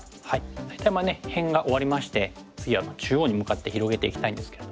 大体まあ辺が終わりまして次は中央に向かって広げていきたいんですけれども。